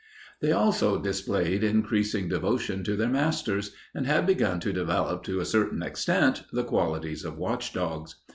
They also displayed increasing devotion to their masters and had begun to develop, to a certain extent, the qualities of watchdogs.